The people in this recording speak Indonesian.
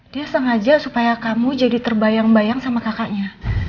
dia sengaja supaya kamu jadi terbayang bayang sama kakaknya